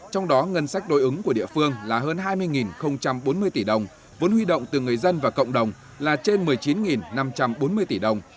trong đó ngân sách đối ứng của địa phương là hơn hai mươi bốn mươi tỷ đồng vốn huy động từ người dân và cộng đồng là trên một mươi chín năm trăm bốn mươi tỷ đồng